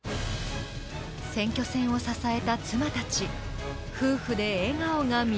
選挙戦を支えた妻たち。